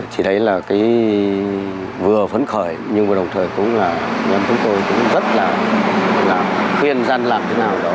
thì đấy là cái vừa phấn khởi nhưng mà đồng thời cũng là anh em chúng tôi cũng rất là khuyên dân làm thế nào đó